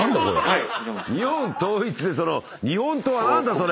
はい。